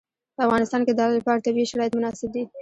په افغانستان کې د لعل لپاره طبیعي شرایط مناسب دي.